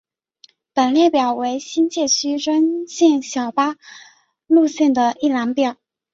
本列表为新界区专线小巴路线的一览表。